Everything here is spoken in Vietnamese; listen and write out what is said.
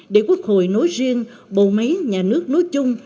để quốc hội nói riêng bầu mấy nhà nước nói chung